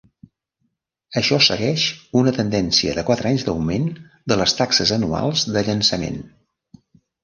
Això segueix una tendència de quatre anys d'augment de les taxes anuals de llançament.